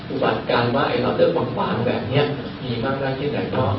อุบัติการว่าระดับฐานพังแบบนี้ก็ไม่มีให้แรงคิดหลาย